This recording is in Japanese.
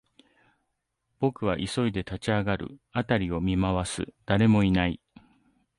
僕は急いで立ち上がる、辺りを見回す、誰もいない